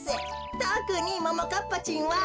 とくにももかっぱちんは。